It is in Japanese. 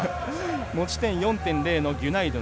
持ち点４．０のギュナイドゥン。